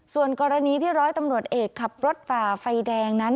ส่วนกรณีที่ร้อยตำรวจเอกขับรถฝ่าไฟแดงนั้น